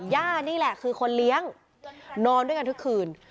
ย่านี่แหละคือคนเลี้ยงนอนด้วยกันทุกคืน